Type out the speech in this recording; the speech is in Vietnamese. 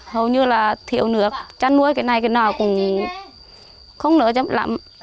hầu như là thiếu nước chăn nuôi cái này cái nào cũng không nở chẳng lắm